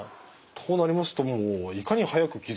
となりますともういかに早く気付くか。